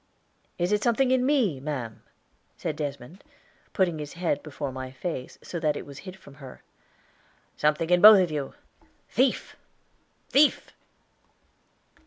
"Is it something in me, ma'am?" said Desmond, putting his head before my face so that it was hid from her. "Something in both of you; thief! thief!"